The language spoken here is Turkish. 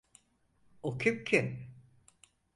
O kim ki?